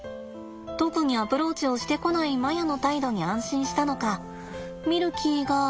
特にアプローチをしてこないマヤの態度に安心したのかミルキーが。